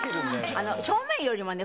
正面よりもね